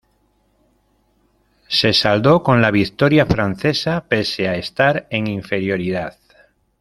Se saldó con la victoria francesa pese a estar en inferioridad.